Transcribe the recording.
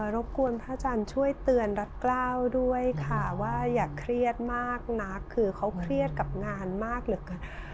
รบกวนพระอาจารย์ช่วยเตือนรัฐกล้าวด้วยค่ะว่าอย่าเครียดมากนักคือเขาเครียดกับงานมากเหลือเกิน